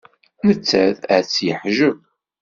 Nettat ad tt-yeḥjeb.